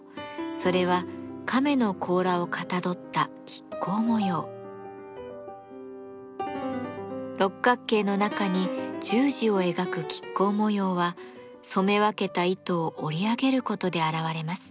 それは亀の甲羅をかたどった六角形の中に十字を描く亀甲模様は染め分けた糸を織り上げることで現れます。